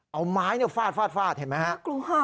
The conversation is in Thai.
เอาไม้ฟาดเห็นไหม